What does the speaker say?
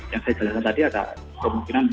yang saya jelaskan tadi ada kemungkinan